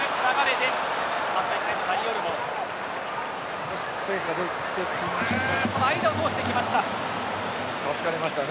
少しスペースが出てきましたかね。